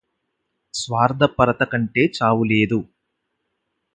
స్వార్థపరతకంటె చావులేదు